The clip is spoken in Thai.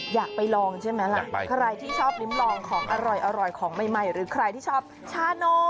อยากไปลองใช่ไหมล่ะใครที่ชอบลิ้มลองของอร่อยของใหม่หรือใครที่ชอบชาโน